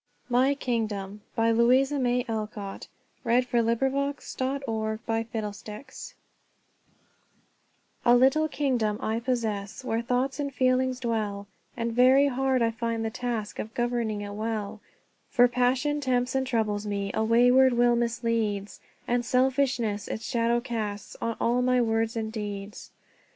d with interest the lines Miss Celia had written in her girlhood: "MY KINGDOM A little kingdom I possess, Where thoughts and feelings dwell; And very hard I find the task Of governing it well. For passion tempts and troubles me, A wayward will misleads, And selfishness its shadow casts On all my words and deeds.